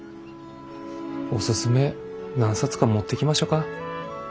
おすすめ何冊か持ってきましょか。